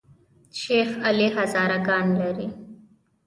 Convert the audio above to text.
شیخ علي هزاره ګان لري؟